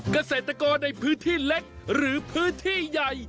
เกษตรกรในพื้นที่เล็กหรือพื้นที่ใหญ่